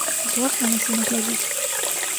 Злосна на сына глядзіць.